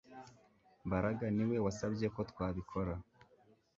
Mbaraga niwe wasabye ko twabikora